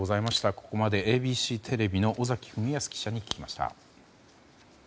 ここまでＡＢＣテレビの尾崎文康記者に聞きました。